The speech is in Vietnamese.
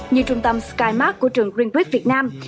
như trung tâm skymark của trường greenquist việt nam